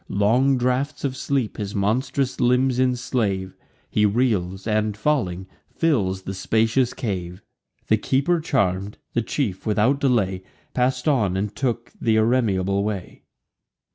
Long draughts of sleep his monstrous limbs enslave; He reels, and, falling, fills the spacious cave. The keeper charm'd, the chief without delay Pass'd on, and took th' irremeable way.